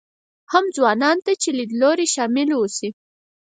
هم ځوانانو ته چې لیدلوري شامل اوسي.